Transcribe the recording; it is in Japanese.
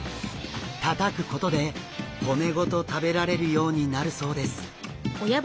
たたくことで骨ごと食べられるようになるそうです。